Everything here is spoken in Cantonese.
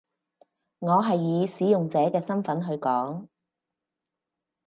我係以使用者嘅身分去講